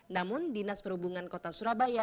namun dinas perhubungan kota surabaya